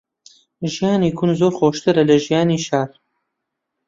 ژیانی گوند زۆر خۆشترە لە ژیانی شار.